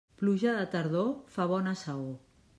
Pluja de tardor fa bona saó.